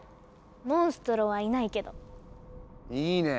モンストロはいないけど。いいね！